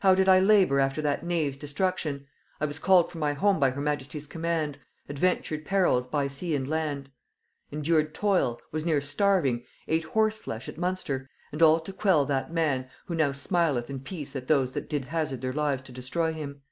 How did I labor after that knave's destruction! I was called from my home by her majesty's command, adventured perils by sea and land; endured toil, was near starving, ate horse flesh at Munster; and all to quell that man, who now smileth in peace at those that did hazard their lives to destroy him.